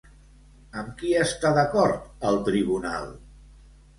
Amb qui està d'acord el Tribunal?